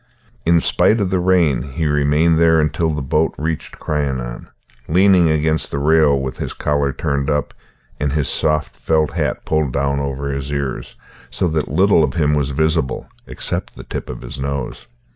In spite of the rain he remained there until the boat reached Crianan, leaning against the rail with his collar turned up and his soft felt hat pulled down over his ears, so that little of him was visible except the tip of his nose.